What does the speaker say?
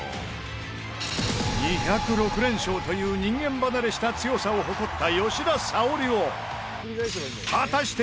２０６連勝という人間離れした強さを誇った吉田沙保里を果たして